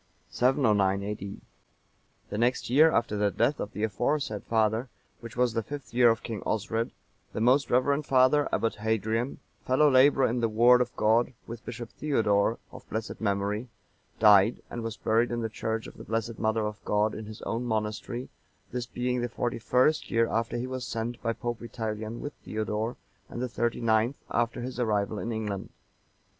[709 A.D.] The next year after the death of the aforesaid father,(937) which was the fifth year of King Osred, the most reverend father, Abbot Hadrian,(938) fellow labourer in the Word of God with Bishop Theodore(939) of blessed memory, died, and was buried in the church of the Blessed Mother of God, in his own monastery,(940) this being the forty first year after he was sent by Pope Vitalian with Theodore, and the thirty ninth after his arrival in England.